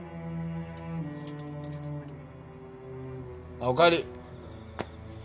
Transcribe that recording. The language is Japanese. あっおかえり。